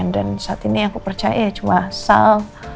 dan saat ini aku percaya cuma sal